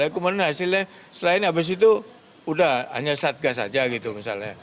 kemana hasilnya selain habis itu udah hanya satgas saja gitu misalnya